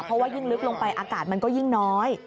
เพราะว่ายิ่งลึกลงไปอากาศมันก็ยิ่งน้อย